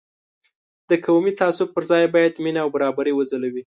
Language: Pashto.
د قومي تعصب پر ځای باید مینه او برابري وځلوي.